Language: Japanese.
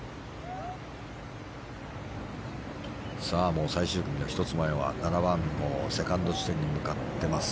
もう最終組の１つ前は７番のセカンド地点に向かっています。